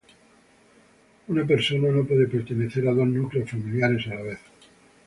Una persona no puede pertenecer a dos núcleos familiares a la vez.